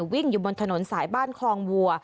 วิ่งอยู่บนถนนสายบ้านคลองวัว